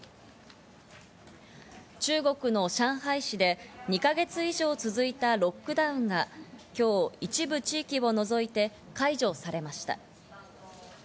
中国の上海市で２か月以上続いたロックダウンが今日、一部地域を除いて解除されました。